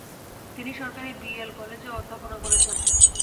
তিনি সরকারি বি.এল কলেজে অধ্যাপনা করেছেন।